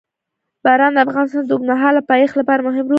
باران د افغانستان د اوږدمهاله پایښت لپاره مهم رول لري.